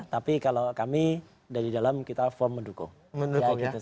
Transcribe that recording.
tapi kalau kami dari dalam kita firm mendukung